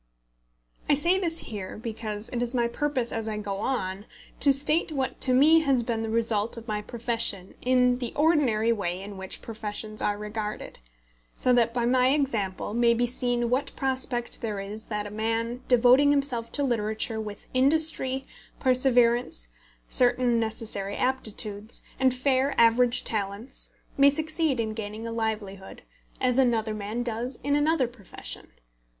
I say this here, because it is my purpose as I go on to state what to me has been the result of my profession in the ordinary way in which professions are regarded, so that by my example may be seen what prospect there is that a man devoting himself to literature with industry, perseverance, certain necessary aptitudes, and fair average talents, may succeed in gaining a livelihood, as another man does in another profession.